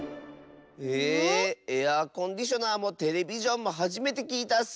へえエアコンディショナーもテレビジョンもはじめてきいたッス。